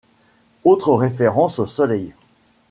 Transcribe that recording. Autre référence au soleil.